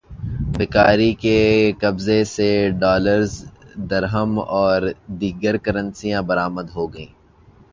بھکاری کے قبضے سے ڈالرز، درہم اور دیگر کرنسیاں برآمد ہوئیں